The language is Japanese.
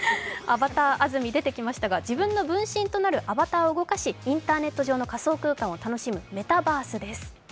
アバター安住出てきましたが、自分の分身となるアバターを動かし、インターネット上の仮想空間を楽しむメタバースです。